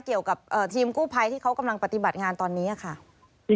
เกี่ยวกับทีมกู้ภัยที่เขากำลังปฏิบัติงานตอนนี้ค่ะ